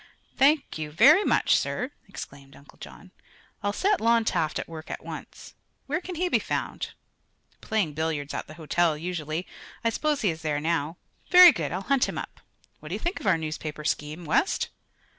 "Thank you very much, sir!" exclaimed Uncle John. "I'll set Lon Taft at work at once. Where can he be found?" "Playing billiards at the hotel, usually. I suppose he is there now." "Very good; I'll hunt him up. What do you think of our newspaper scheme, West?"